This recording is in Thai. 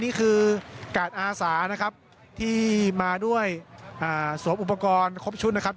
นี่คือกาดอาสานะครับที่มาด้วยสวมอุปกรณ์ครบชุดนะครับ